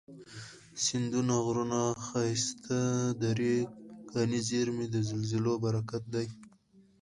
سیندونه، غرونه، ښایستې درې، کاني زیرمي، د زلزلو برکت دی